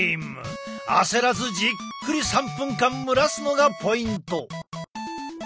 焦らずじっくり３分間蒸らすのがポイント！